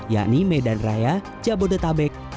yakni medan raya jabodetabek